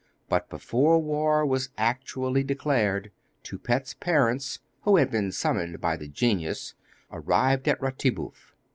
But before war was actually declared, Toupette's parents, who had been summoned by the genius, arrived at Ratibouf.